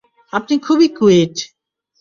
আপনি খুব কুইট!